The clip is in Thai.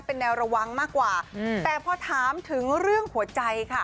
เป็นแนวระวังมากกว่าแต่พอถามถึงเรื่องหัวใจค่ะ